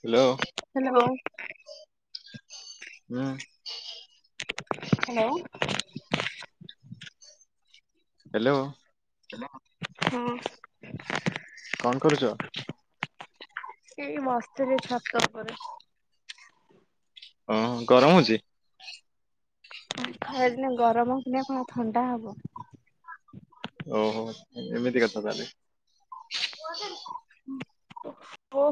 [inaudible] Hello. Hello ହୁଁ। Hello. Hello. Hello ହଁ। କଣ କରୁଚ? ଏଇ ବସିଥିଲି ଛାତ ଉପରେ। ଉଁ ଗରମ ହଉଚି। ଆଉ ଖରା ଦିନେ ଗରମ ହବନି ଆଉ କଣ ଥଣ୍ଡା ହବ। ଓହୋ ଏମିତି କଥା ତାହେଲେ ଓ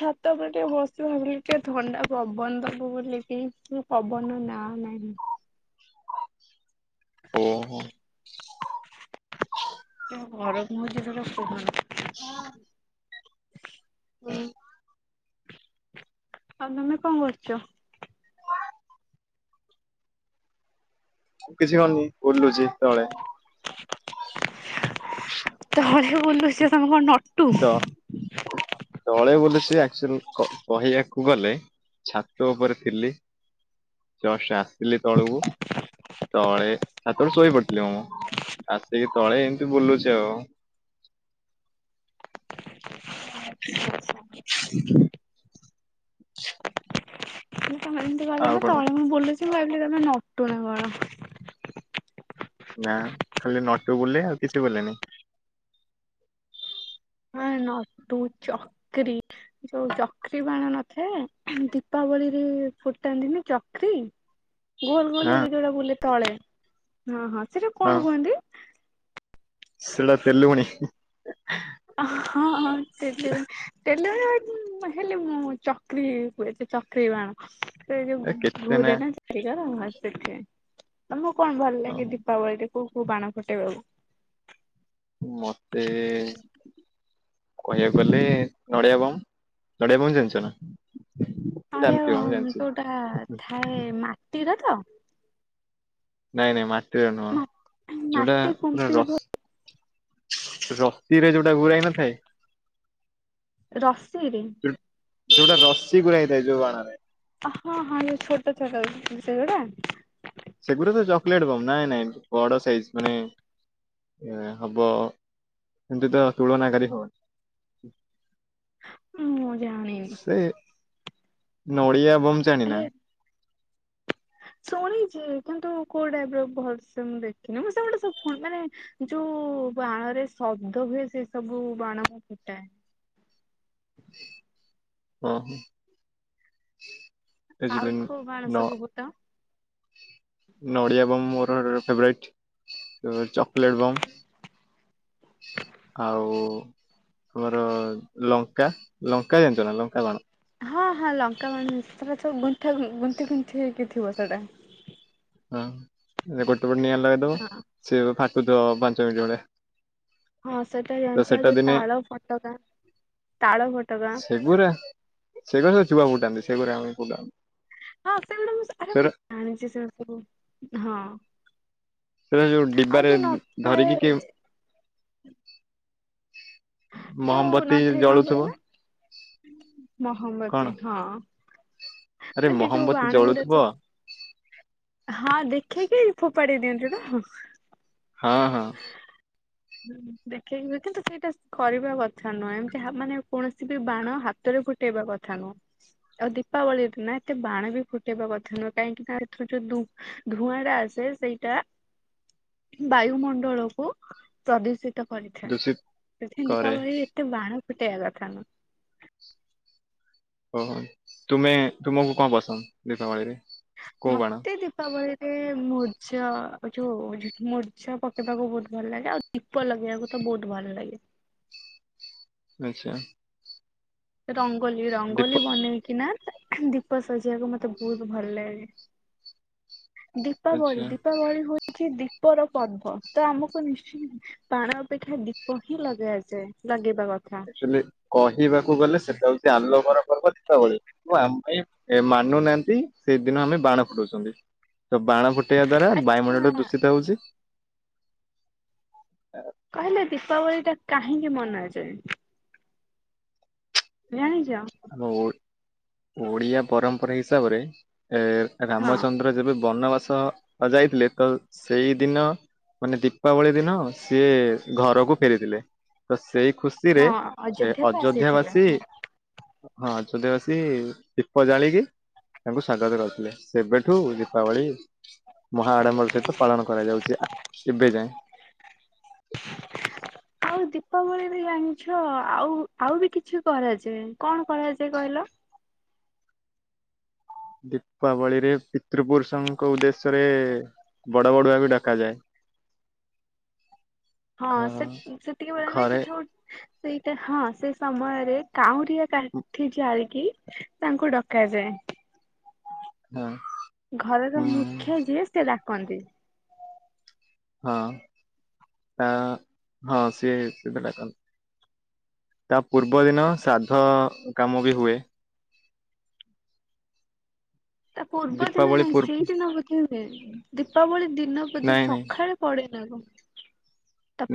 ଛାତ ଉପରେ ଟିକେ ବସିବି ଭାବିଲି ଟିକେ ଥଣ୍ଡା ପବନ ଦବ ବୋଲିକି ପବନ ନାଁ ନାହିଁ। ଓହୋ। ଘର [unintelligible] ସେଟା କୁହନି। ହଁ। [inaudible] ହୁଁ। ଆଉ ତମେ କଣ କରୁଚ? କିଛି କରୁନି ବୁଲୁଚି ତଳେ। ତଳେ ବୁଲୁଚ ତମେ କଣ ନ ତ ତଳେ ବୁଳୁଚି [unintelligible] କହିବାକୁ ଗଲେ ଛାତ ଉପରେ ଥିଲି ଜଷ୍ଟ୍ ଆସିଲି ତଳକୁ ତଳେ ଛାତରୁୁ ଶୋଇ ପଡିଥିଲି ମୁଁ ଆସିକି ତଳେ ଏମିତି ବୁଲୁଚି ଆଉ [inaudible] ତମେ ଆଉ କଣ ତଳେ ମୁଁ ବୁଲୁଛି। ମୁଁ ଭାବିଲି ତମେ ନଟୁ ନା କଣ? ନା ଖାଲି ନଟୁ ବୁଲେ ଆଉ କିଛି ବୁଲେନି। ହଁ ନଟୁ ଚକ୍ରି ଯୋଉ ଚକ୍ରି ବାଣ ନଥାଏ ଦୀପାବଳିରେ ଫୁଟାନ୍ତିନି ଚକ୍ରି ଗୋଲ ହଁ ଗୋଲ ଏରା‌ ଯୋଉରା ବୁଲେ ଚଳେ ହଁ ହଁ। ସେଟା କଣ କୁହନ୍ତି? ସେଟା ତେଲୁଗୁଣି। ହଁ ହଁ ତେଲୁଗୁଣି ତେ [unintelligible] ହେଲେ ମୁଁ ଚକ୍ରି କୁହେ ସେ ଚକ୍ରି ବାଣ। ସେ ଯୋଉ ଏ କେତେ ଘୁରେ ନା। [unintelligible] [unintelligible] କଣ ଭଲ ଲାଗେ ଓହୋ, ଦୀପାବଳିରେ? କଉ କଉ ବାଣ ଫୁଟେଇବାକୁ ମତେ କହିବାକୁ ଗଲେ ନଡ଼ିଆ ବମ୍ ନଡ଼ିଆ ବମ୍ ଜାଣିଛ ନା। ଆଡେ ଜାଣିଥିବ ମୁଁ ଜାଣିଛି କୋଉଟା ଥାଏ ମାଟିର ତ। ନାଇଁ ନାଇଁ ମା ସେରା ନୁହଁ ମା ଯୋଉଟା ମାଟି ପୁରା କୁମ୍ପି ଭ ରସ ରସିରେ ଯୋଉଟା ଘୁରାହେଇ ନଥାଏ। ରସିରେ ଯୋଉଟା ରସିି ଗୁରା ହେଇଥାଏ ଯୋଉ ବାଣ ରେ। ହଁ ହଁ ଛୋଟ ଛୋଟ ସେଗୁଡା ସେଗୁଡ଼ା ତ ଚକୋଲେଟ ବମ୍ ନାଇଁ ନାଇଁ ବଡ ସାଇଜ ମାନେ ହବ ଏମତି ତ ତୁଳନାକରୀ ହବନି। ମୁଁ ଜାଣିନି। ସେ ନଡିଆ ବମ୍ ଜାଣିନା। ଏ ଶୁଣିଛି କିନ୍ତୁ କୋଉ ଟାଇପ ର ଭଲସେ ମୁଁ ଦେଖିନି। ମୁଁ ସେ ଗୋଟେ ସବୁୁ ମାନେ ଯୋଉ ବାଣରେ ଶବ୍ଦ ହୁଏ ସେ ସବୁ ବାଣ ମୁଁ ଫୁଟାଏନି। ଓ। ଆଉ କୋଉ ବାଣ ସବୁ ଫୁଟାଅ। ନଡିଆ ବମ୍ ମୋର ଫେବରାଇଟ୍ ଚକୋଲେଟ୍ ବମ୍, ଆଉ ତମର ଲଙ୍କା ଲଙ୍କା ଜାଣିଛନା ଲଙ୍କା ବାଣ। ହଁ ହଁ ଲଙ୍କା ବାଣ ଜାଣିଚି ସେସବୁ ଗୁନ୍ଥା ଗୁନ୍ଥି ଗୁନ୍ଥି ହେଇକି ଥିବ ସେଇଟା। [unintelligible] ଗୋଟେ ପଟ ନିଆଁ ଲଗେଇଦବ ହଁ ସେଏ ଫା ଫୁଟୁଥିବ ପାଞ୍ଚ ମିିନଟ୍ ଭଳିଆ। ହଁ ସେଟା ତ ଜାଣିଛି ଆଉ ସେଟା ଯଉ ଦିନେ ତାଳଫଟୋକା ତାଳଫଟୋକା। ସେଗୁରା ସେଗୁରା ସବୁ ଚୁଆ ଫୁଟାନ୍ତି [unintelligible] ହଁ ସେଗୁଡା ମୁଁ ଆରେ ମୁଁ ସେଗୁରା ଜାଣିଛି ସେ ସବୁ ହଁ। ସେଟା ଯୋଉ ଆଉ ଡିବାରେ ଯୋଉ ଧରିକି କି ନଥାଏ ମହମବତୀ ଜଳୁଥିବ। [unintelligible] କଣ ମହମବତି ହଁ। ଆରେ ମୁଁ ଯୋଉ କହିଲି ମହମବତୀ ବାଣଉଡ଼ା ଜଳୁଥିବ ସବୁ ହଁ ଦେ ଖେଇକି ଫୋପାଡ଼େଇ ଦିଅନ୍ତି ତ ହଁ ହଁ ଦେଖେଇ ହୁଏ କିନ୍ତୁ ସେଇଟା କରିବା କଥା ନୁହେଁ ଏମିତି ହା ମାନେ କୌଣସି ବି ବାଣ ହାତରେ ଫୁଟେଇବା କଥା ନୁହଁ ଆଉ ଦୀପାବଳି ଦିନ ଏତେ ବାଣ ବି ଫୁଟେଇବା କଥା ନୁହେଁ କାହିଁକି ନା ଏଥିର ଯୋଉ ଧୂ ଧୂଆଁ ରା ଆସେ ସେଇଟା ବାୟୁମଣ୍ଡଳକୁ ପ୍ରଦୁସିତ ତ କରିଥାଏ ଦୂଷିତ ସେଥି କରେ ଦୀପାବଳିରେ ଏତେ ବାଣ ଫୁଟେଇବା କଥାନୁ ଓ ହୋ ତୁମେ ତୁମକୁ କ ପସନ୍ଦ ଦୀପାବଳିରେ? କୋଉ ବାଣ ମତେ ଦୀପାବଳିରେ ମୂଜ ଯୋଉ ମୁରୁଜ ପକେଇବାକୁ ବହୁତ ଭଲ ଲାଗେ ଆଉ ଦୀପ ଲଗେଇବାକୁ ତ ବହୁତ ଭଲ ଲାଗେ। ଆଛା। ରଙ୍ଗୋଲି ରଙ୍ଗୋଲି ବନେଇକି ନା ତା ଦୀପ ସଜେଇବାକୁ ମତେ ବହୁତ ଭଲ ଲାଗେ। ଦୀପାବଳି ଆଚ୍ଛା ଦୀପାବଳି ହଉଛି ଦୀ ଦୀପର ପର୍ବ ତ ଆମକୁ ନିଶ୍ଚେ ବାଣ ଅପେକ୍ଷା ଦୀପ ହିଁ ଲଗାଏ ଜାଏ ଲଗେଇ। ଆଚୁଆଲି କହିବାକୁ ଗଲେ ସେ? ଏତ ଆଲୋକର ପର୍ବ ଦୀପାବଳି କିନ୍ତୁ ଆମେ ମାନୁନାହାନ୍ତି ସେଇଦିନ ଆମେ ବାଣ ଫୁଟଉଛନ୍ତି। ତ ବାଣ ଫୁଟେଇବା ଦ୍ଵାରା ଆଚ୍ଛା ବାୟୁମଣ୍ଡଳ ଦୂଷିତ ହଉଛି। କହିଲେ ଦୀପାବଳି ଟା କାହିଁକି ମନାଯାଏ? ଜାଣି ଆମ ଓ ଓଡ଼ିଆ ପରମ୍ପରା ହିସାବରେ ଏ ହଁ ରାମଚନ୍ଦ୍ର ଯେବେ ବନବାସ ଯାଇଥିଲେ ତ ସେଇ ଦିନ ମାନେ ଦୀପାବଳି ଦିନ ସିଏ ଘରକୁ ଫେରିଥିଲେ ତ ସେଇ ଖୁସିରେ ହଁ ଏ ଅଯୋଧ୍ୟାକୁ ଅଯୋଧ୍ୟା ଆସିଥିଲା ବାସୀ ହଁ। ହଁ ଛଦଶ ଦୀପ ଜାଳିକି ତାଙ୍କୁ ସ୍ଵାଗତ କରିଥିଲେ ସେବେଠୁ ଦୀପାବଳି ମହା ଆଡମ୍ବର ସହିତ ପାଳନ କରାଯାଉଛି ଏବେ ଯାଏଁ। ଆଉ ଦୀପାବଳିବି ଜାଣିଛ ଆଉ ଆଉ ବି କିଛି କରାଯାଏ କଣ କରାଯାଏ କହିଲ? ଦୀପାବଳିରେ ପିତୃପୁରୁଷଙ୍କ ଉଦ୍ଦେଶ୍ୟ ରେ ବଡ ବଡୁଆ ବି ଡାକା ଯାଏ। ହଁ ସେ ସେତିକି ବଳେନା କିଛି ଗୋ ସେଇଟା ହଁ ସେ ସମୟରେ କାଉଁ ୟା କାଠି ଯାଳିକିି ତାଙ୍କୁ ଡକାଯାଏ। ହଁ ଘରର ହୁଁ ମୁଖ୍ୟ ଯିଏ ସେରା କଣ ତି ହଁ ଆଁ ହଁ ସିଏ ସେଟା ଡାକନ୍ତି ତା ପୂର୍ବ ଦିନ ଶ୍ରାଦ୍ଧ କାମ ବି ହୁଏ। ତା ପୂର୍ବ ଦିନ ଦୀପାବଳି ନାହିଁ ପୂର୍ବ ସେଇଦିନ ବୋଧେ ହୁଏ ଦୀପାବଳି ଦିନ ବୋଧେ ନାଇଁ ନାଇଁ ସଖାଳେ ପଡେନା କ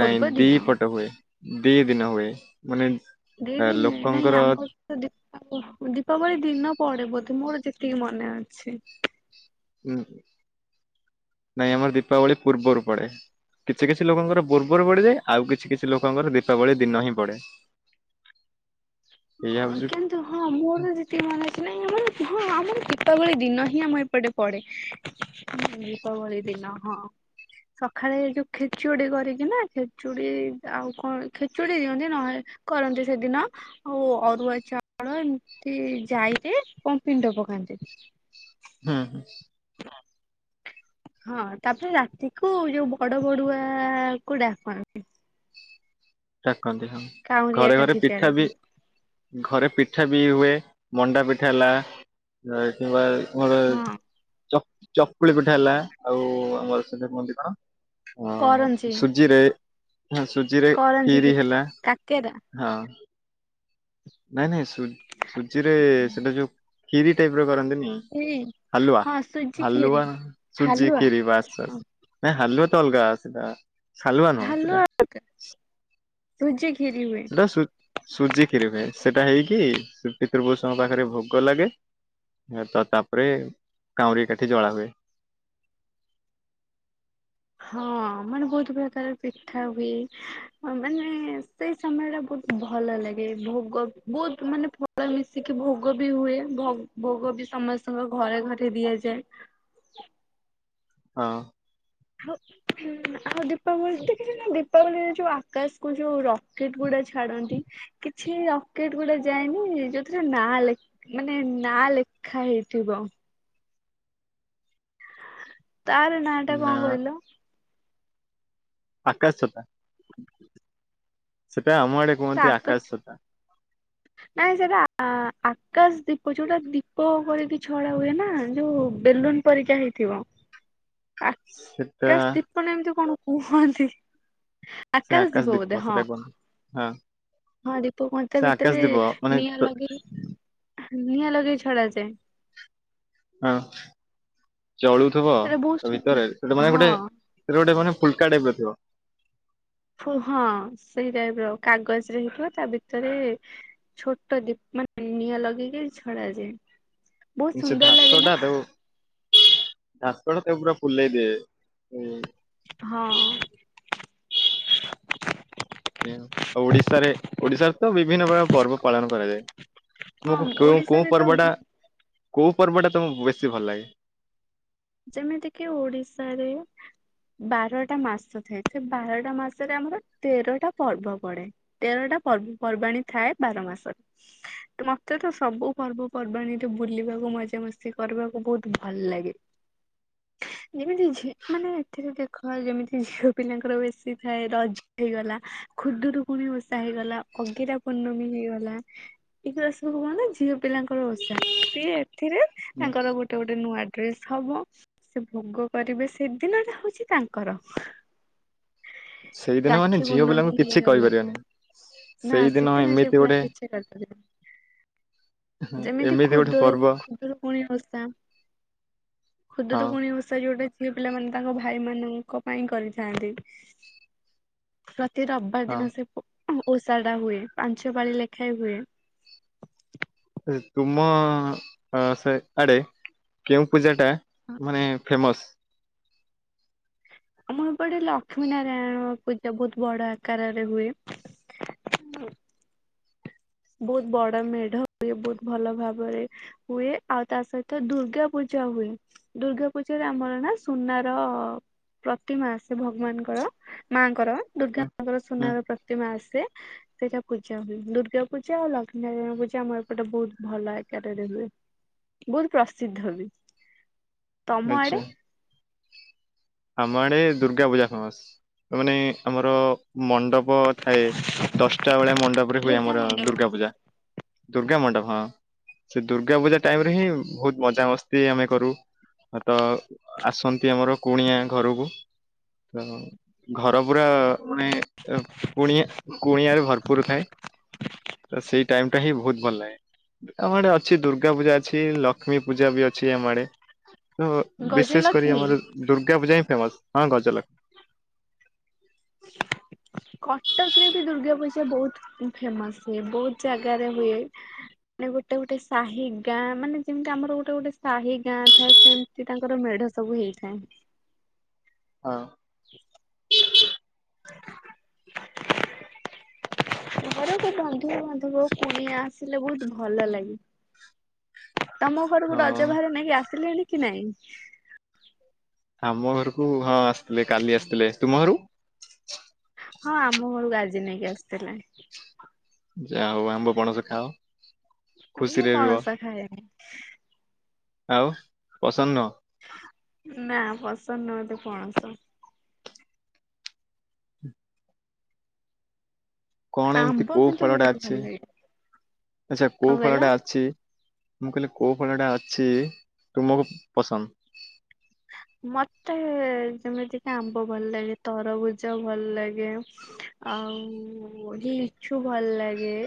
ନାଇଁ ଦି ପଟ ହୁଏ ଦିଇ ଦିନ ହୁଏ। ମାନେ ଦେଇ ଦେଇ ନୁହେଁ ନାଇଁ ଲୋକଙ୍କର ଆମର ତ ଦୀପାବଳୀ ଦୀପାବଳି ଦିନ ପଡେ ବୋ ତ ମୋର ଯେତିକି ମନେ ଅଛି । ଉ ନାଇଁ ଆମର ଦୀପାବଳି ପୂର୍ବରୁ ପଡେ କିଛି କିଛି ଲୋକଙ୍କର ପୂର୍ବରୁ ପଡିଯାଏ ଆଉ କିଛି କିଛି ଲୋକଙ୍କର ଦୀପାବଳି ଦିନ ହିଁ ପଡେ। ଏଇଆ ଅ ହଉଛି କିନ୍ତୁ ହଁ ମୋର ଯେତିିକି ମାନେ ଅଛି ନାଇଁ ମାନେ ହଁ ଆମର ହଁ ଆମର ଦୀପାବଳି ଦିନ ହିଁ ଆମ ଏପଟେ ପଡେ ଦୀପାବଳି ଦିନ ହଁ ସକାଳେ ଯୋଉ ଖେଚୁଡି କରିକି ନା ଖେଚୁଡି ଆଉ କଣ ଖେଚୁଡି ଦିଅନ୍ତି ନହେଲେ କରନ୍ତି ସେଦିନ ଆଉ ଅରୁଆ ଚାଉଳ ଏମିତି ଜାଇ ରେ କଣ ପିଣ୍ଡ ପକାନ୍ତି । ହୁଁ ହୁଁ। ହଁ ତାପରେ ରାତିକୁ ଯୋଉ ବଡ ବଡୁଆ କୁ ଡାକନ୍ତି । ସା ଡ଼ାକନ୍ତି ହଁ ଘରେ ଘରେ କାଠି ପିଠା ବି ଜାଳିକି। ଘରେ ପିଠା ବି ହୁଏ। ମଣ୍ଡା ପିଠା ହେଲା। [unintelligible] ହଁ ଚକୁଳି ପିଠା ହେଲା ଆଉ ଆମର ସେଇଟା କୁହନ୍ତି କଣ ହଁ କରଞ୍ଜି ହଁ ସୁଜିରେ ହଁ ସୁଜିରେ କରଞ୍ଜି ଖିରି ପିଠା ହେଲା କାକେରା ହଁ । ନାଇଁ ନାଇଁ ସେ ସୁଜି ରେ ସେଟା ଯୋଉ ଖିରି ଟାଇପର କରନ୍ତି ନି ଖିରି ହାଲୁଆ ହଁ ସୁଜି ଖିରି ହାଲୁଆ ସୁଜି ହାଲୁଆ ଖିରି ବାସ୍ ବାସ୍ ନାଇଁ ହାଲୁଆ ସିଏ ଅଲଗା ସେଟା ସାଲୁଆ ନୁହଁ ସେଟା ହାଲୁଆ [inaudible] ସୁଜି କି ସେଟା ସୁଜି ସୁଜି ଖିରି ହୁଏ ସେଟା ହେଇକି ପିତୃପୁରୁଷଙ୍କ ପାଖରେ ଭୋଗ ଲାଗେ ତ ତାପରେ କାଉଁରୀଆ କାଠି ଜଳା ହୁଏ । ହଁ ମାନେ ବହୁତ ପ୍ରକାର ପିଠା ହୁଏ ମାନେ ସେଇ ସମୟ ଟା ବହୁତ ଭଲ ଲାଗେ ଭୋଗ ବହୁତ ମାନେ ଫଳ ମିଶିକି ଭୋଗ ବି ହୁଏ ଭୋଗ ବି ସମସ୍ତଙ୍କ ଘରେ ଘରେ ଦିଆଯାଏ ହଁ। ଆଉ ଦୀପାବଳି ଦେଖିଛି ମୁଁ ଦୀପାବଳିରେ ଯୋଉ ଆକାଶକୁ ଯୋଉ ରକେଟ ଗୁଡା ଛାଡନ୍ତି କିଛି ରକେଟ ଗୁଡା ଯାଏନି ଯୋଉଥିରେ ନାଁ ମାନେ ନାଁ ଲେଖା ହେଇଥିବ? ହ ତାର ନାଁ ଟା ନା କଣ କହିଲ? ଆକାଶଛତା। [inaudible] ସେଇଟା ଆମ ଆଡେ ସେ କୁହନ୍ତି ଆକାଶ ଆକାଶଛତା। ନାଇଁ ସେଇଟା ଆକାଶ ଦୀପ ଯୋଉଟା ଦୀପ କରିକି ଛଡା ହୁଏ ନା ଯୋଉ ବେଲୁନ ପରିକା ହେଇଥିବ ସେଟା ଆକାଶ ଦୀପ ନା ଏମିତି କଣ? କୁହନ୍ତି ସେ ଆକାଶ ଦୀପ ବୋଧେ ହଁ ସେଟା କୁହନ୍ତି ହଁ ହଁ ଦୀପ କହନ୍ତି ସେ ଆକାଶ ଦୀପ ମାନେ ତ ନିଆଁ ଲଗେଇ ଛଡାଯାଏ ହଁ। ଜଳୁଥିବ ସେଇଟା ବହୁତ ତା ସୁ- ଭିତରେ ସେଟା ମାନେ ଗୋଟେ ହଁ ସେଟା ଗୋଟେ ମାନେ ଫୁଲକା ଟାଇପ୍ ର ଥିବ ହଁ ସେଇ ଟାଇପ୍ ର କାଗଜରେ ହେଇଥିବ ତା ଭିତରେ ଛୋଟ ଦୀପ ମାନେ ନିଆଁ ଲଗେଇକି ଛଡାଯାଏ। ବହୁତ ସେ ସୁନ୍ଦର ଲାଗେ ବାଷ୍ପ ନା ଟା ଯୋଉ ବାଷ୍ପ ଟା ତାକୁ ପୁରା ଫୁଲେଇଦିଏ ହଁ। ଓଡିଶାରେ ଓଡିଶାରେ ତ ବିଭିନ୍ନ ପ୍ରକାର ପର୍ବ ପାଳନ କରାଯାଏ ତମକୁ ହଁ କେଉଁ କୋଉ ଓଡିଶାରେ ତ ପର୍ବଟା କୋଉ ପର୍ବଟା ତମକୁ ବେଶୀ ଭଲ ଲାଗେ? ଯେମିତିକି ଓଡିଶାରେ ବାରଟା ମାସ ଥାଏ ସେ ବାରଟା ମାସରେ ଆମର ତେରଟା ପର୍ବ ପଡେ ତେରଟା ପର୍ବପର୍ବାଣୀ ଥାଏ। ବାର ମାସରେ ତ ମତେ ତ ସବୁ ପର୍ବପର୍ବାଣୀରେ ବୁଲିବାକୁ ମଜା ମସ୍ତି କରିବାକୁ ବହୁତ ଭଲ ଲାଗେ ଯେମିତିକି ମାନେ ଏଥିରେ ଦେଖ ଯେମିତି ଝିଅ ପିଲାଙ୍କର ବେଶୀ ଥାଏ ରଜ ହେଇଗଲା ଖୁଦୁରୁକୁଣୀ ଓଷା ହେଇଗଲା ଅଗିରା ପୂର୍ଣ୍ଣମୀ ହେଇଗଲା ଏଗୁଡ଼ା ସବୁ କଣ ନା ଝିଅ ପିଲାଙ୍କର ଓଷା ସିଏ ଏଥିରେ ତାଙ୍କର ଗୋଟେ ଗୋଟେ ନୂଆ ଡ୍ରେସ୍ ହବ ସେ ଭୋଗ କରିବେ ସେଦିନଟା ହଉଛି ତାଙ୍କର ସେଇଦିନ ମାନେ ରାକ୍ଷୀ ଝିଅ ପୂର୍ଣ୍ଣମୀ ପିଲାଙ୍କୁ କିଛି ହେଇଗଲା କହିପାରିବନି। ନା ସେଇଦିନ ସେଦିନ ଝିଅ ଏମିତି ପିଲା ଗୋଟେ କିଛି କହିପାରିବେନି ଯେମିତି ଏମିତି ଗୋଟେ ପର୍ବ ଖୁଦୁରୁକୁଣୀ ଓଷା ହଁ ଖୁଦୁରୁକୁଣୀ ଓଷା ଯୋଉଟା ଝିଅ ପିଲାମାନେ ତାଙ୍କ ଭାଇ ମାନଙ୍କ ପାଇଁ କରିଥାନ୍ତି। ସେ ରବିବାର ହଁ। ଦିନ ସେ ଓଷା ଟା ହୁଏ ପାଞ୍ଚ ପାଳି ଲେଖାଏ ହୁଏ। ତୁମ ସେ ଆଡେ କେଉଁ ପୂଜା ଟା ମାନେ ଫେମସ ଆମ ଏପଟେ ଲକ୍ଷ୍ମୀ ନାରାୟଣ ପୂ ଏଟା ବହୁତ ବଡ ଆକାରରେ ହୁଏ ବହୁତ ବଡ ମେଢ ହୁଏ ବହୁତ ଭଲ ଭାବରେ ହୁଏ ଆଉ ତା ସହିତ ଦୁର୍ଗା ପୂଜା ହୁଏ ଦୁର୍ଗା ପୂଜାରେ ଆମର ନା ସୁନାର ପ୍ରତିମା ଆସେ ଭଗବାନଙ୍କର ମାଙ୍କର ଦୁର୍ଗା ହୁଁ ମାଙ୍କର ହୁଁ ସୁନାର ପ୍ରତିମା ଆସେ ସେଇଟା ପୂଜା ହୁଏ ଦୁର୍ଗା ପୂଜା ଆଉ ଲକ୍ଷ୍ମୀ ନାରାୟଣ ପୂଜା ଆମ ଏପଟେ ବହୁତ ଭଲ ଆକାରରେ ହୁଏ ବହୁତ ପ୍ରସିଦ୍ଧ ବି ତମ ଆଚ୍ଛା ଆଡେ? ଆମ ଆଡେ ଦୁର୍ଗା ପୂଜା ଫେମସ ମାନେ ଆମର ମଣ୍ଡପ ପ ଥାଏ ଦଶଟା ବେଳେ ମଣ୍ଡପରେ ହୁଏ ଦୁର୍ଗା ଆମର ଦୁର୍ଗା ମଣ୍ଡପ ପୂଜା। ଦୁର୍ଗା ମଣ୍ଡପ ହଁ ସେ ଦୁର୍ଗା ପୂଜା ଟାଇମ ରେ ହିଁ ବହୁତ ମଜାମସ୍ତି ଆମେ କରୁ ତ ଆସନ୍ତି ଆମର କୁଣିଆ ଘରକୁ ଘର ପୁରା ମାନେ କୁଣିଆ କୁଣିଆରେ ଭରପୁର ଥାଏ। ତ ସେଇ ଟାଇମ୍ ଟା ହିଁ ବହୁତ ଭଲ ଲାଗେ ଆମ ଆଡେ ଅଛି ଦୁର୍ଗା ପୂଜା ଅଛି ଲ ଲକ୍ଷ୍ମୀ ପୂଜା ବି ଅଛି ଆମ ଆଡେ ତୋ ବିସେସ କରି ଗଜଲକ୍ଷ୍ମୀ ଆମର ଦୁର୍ଗା ପୂଜା ହିଁ ଫେମସ୍ ହଁ ଗଜଲକ୍ଷ୍ମୀ କଟକରେ ବି ଦୁର୍ଗା ପୂଜା ବୋହୁତ ଫେମସ୍ ହୁଏ ବୋହୂତ୍ ଜାଗାରେ ହୁଏ ମାନେ ଗୋଟେ ଗୋଟେ ସାହି ଗାଁ ମାନେ ଯେମିତି ଆମର ଗୋଟେ ଗୋଟେ ସାହି ଗାଁ ଥାଏ ସେମିତି ତାଙ୍କର ମେଢ ସବୁ ହେଇଥାଏ। ହଁ। [unintelligible] [unintelligible] ଘରକୁ ବନ୍ଧୁ ବାନ୍ଧବ କୁଣିଆ ଆସିଲେ ବହୁତ ଭଲ ଲାଗେ। ତମ ଘରକୁ ହଁ ରଜ ଭାର ନେଇକି ଆସିଲେଣି। କି ନାଇଁ। ଆମ ଘରକୁ କୁ ହଁ ଆସିଥିଲେ କାଲି ଆସିଥିଲେ। ତୁମ ଘରକୁ ହଁ ଆମ ଘରକୁ ଆଜି ନେଇକି ଆସିଥିଲେ। ଯାହା ହୋଉ ଆମ୍ବ ପଣସ ଖାଅ। ମୁଁ ଖୁସିରେ ରୁହ ପଣସ ଖାଏନି। ଆଉ ପସନ୍ଦ ନୁହଁ। ନା ପସନ୍ଦ ନୁହନ୍ତି ପଣସ କଣ ଏମିତି ଆମ୍ବ କୋଉ କିନ୍ତୁ ଫଳଟା ବହୁତ ଭଲ ଅଛି ଲାଗେ। ଆଛା କଣ କୋଉ କହିଲ? ଫଳଟା ଅଛି। ମୁଁ କହିଲି କୋଉ ଫଳ ଟା ଅଛି ତୁମକୁ ପସନ୍ଦ। ମତେ ଯେମିତି କି ଆମ୍ବ ଭଲ ଲାଗେ ତରଭୁଜ ଭଲ ଲାଗେ ଆଉ ଲିଚୁ ଭଲ ଲାଗେ।